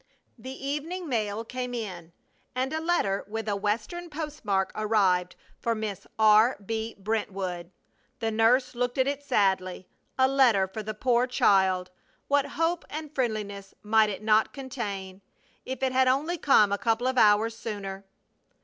The evening mail came in and a letter with a Western postmark arrived for Miss R.B. Brentwood. The nurse looked at it sadly. A letter for the poor child! What hope and friendliness might it not contain! If it had only come a couple of hours sooner!